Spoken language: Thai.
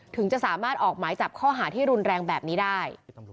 ถึงจะสามารถออกหมายจับข้อหาที่รุนแรงแบบนี้ได้